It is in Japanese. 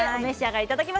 いただきます。